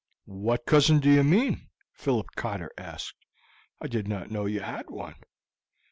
"What cousin do you mean?" Philip Cotter asked. "I did not know you had one."